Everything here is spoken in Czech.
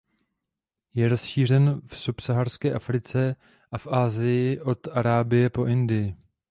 Je rozšířen v subsaharské Africe a v Asii od Arábie po Indii.